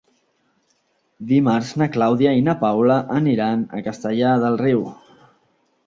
Dimarts na Clàudia i na Paula aniran a Castellar del Riu.